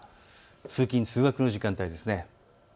通勤通学の時間帯です。